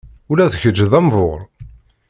Ula d kečč d ambur?